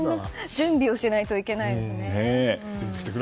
準備をしないといけないですね。